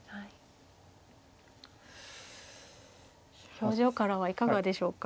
表情からはいかがでしょうか。